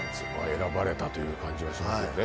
選ばれたという感じはしますよね。